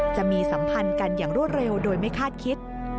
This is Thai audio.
สัมพันธ์กันอย่างรวดเร็วโดยไม่คาดคิด